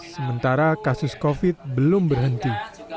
sementara kasus covid belum berhenti